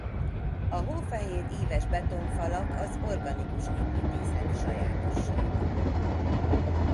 A hófehér íves betonfalak az organikus építészet sajátossága.